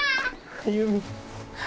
歩。